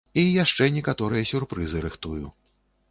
І яшчэ некаторыя сюрпрызы рыхтую.